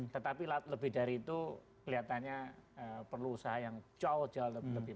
tetapi lebih dari itu kelihatannya perlu usaha yang jauh jauh lebih